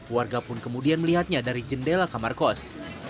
warga pun kemudian melihatnya dari jendela kamarkos